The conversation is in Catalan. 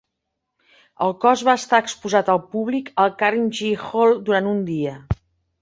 El cos va estar exposat al públic al Karimjee Hall durant un dia.